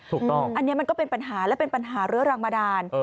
ถูกต้องอันนี้มันก็เป็นปัญหาและเป็นปัญหาเรื้อรังมาดาล